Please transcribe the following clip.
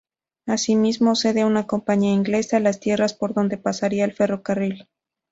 Asimismo, cede a una compañía inglesa las tierras por donde pasaría el ferrocarril.